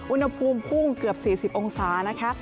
อุณหภูมิพุ่งเกือบ๔๐องศานะคะ